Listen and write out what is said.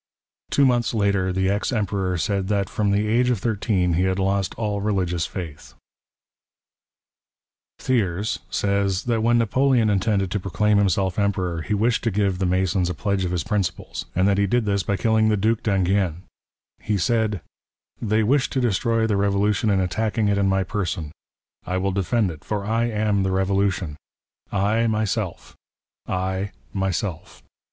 Two months later the ex Emperor said that from the age of thirteen he had lost all religious faith. Thiers (Histoire du Consulatet de l'Em2nre, iv. p. 14), says : t\iat when Napoleon intended to proclaim himself Emperor, he wished to give the Masons a pledge of his principles, and that he did this by killing the Duke d'Enghien. He said, " They wish to destroy the Revolution in attacking it in my person. I will defend it, for I am the Revolution. I, myself — I, myself.